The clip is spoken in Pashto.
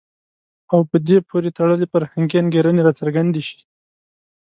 او په دې پورې تړلي فرهنګي انګېرنې راڅرګندې شي.